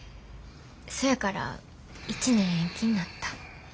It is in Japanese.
そやから１年延期になった。